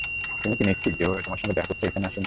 তুমি কি নিশ্চিত যে ও তোমার সঙ্গে দেখা করতেই এখানে আসেনি?